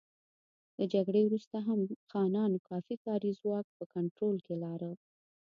له جګړې وروسته هم خانانو کافي کاري ځواک په کنټرول کې لاره.